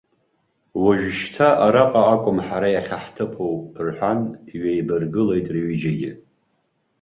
Уажәшьҭа араҟакәым ҳара иахьаҳҭыԥу, рҳәан иҩеибаргылеит рҩыџьагьы.